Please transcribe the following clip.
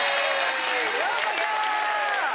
ようこそ！